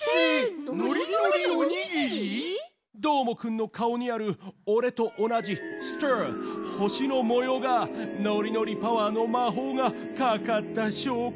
どーもくんのかおにあるおれとおなじスターほしのもようがノリノリパワーのまほうがかかったしょうこだヨー！